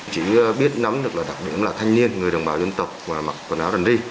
chỉ biết nắm được đặc điểm là thanh niên người đồng bào dân tộc mặc quần áo đần ri